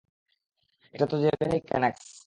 এটা তো generic Xanax.